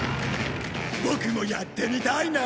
ボクもやってみたいな！